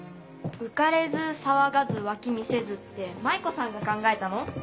「うかれずさわがずわき見せず」って舞子さんが考えたの？